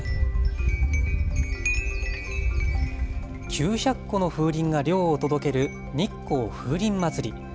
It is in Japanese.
９００個の風鈴が涼を届ける日光風鈴まつり。